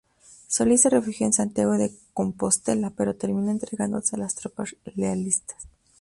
Solís se refugió en Santiago de Compostela, pero terminó entregándose a las tropas lealistas.